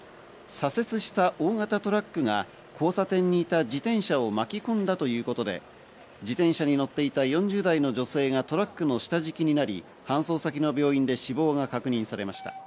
左折した大型トラックが交差点にいた自転車を巻き込んだということで自転車に乗っていた４０代の女性がトラックの下敷きになり搬送先の病院で死亡が確認されました。